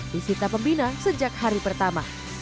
disita pembina sejak hari pertama